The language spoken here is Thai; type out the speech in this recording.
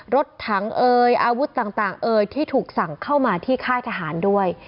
รถถังเอ่ยอาวุธต่างเอ่ยที่ถูกสั่งเข้ามาที่ค่ายทหารด้วย